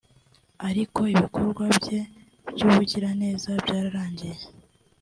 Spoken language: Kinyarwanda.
ariko ibikorwa bye by’ubugiraneza byararangiye